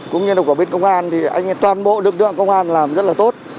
cũng như là của bên công an thì toàn bộ lực lượng công an làm rất là tốt